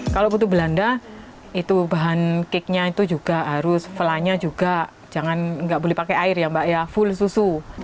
kalau putu belanda itu bahan kiknya itu juga harus lanya juga jangan nggak boleh pakai air ya mbak ya full susu